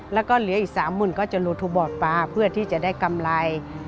แล้วเหลืออีก๓๐๐๐๐บาทลดดูบอลต์ฟ้าเพื่อที่จะได้กำไร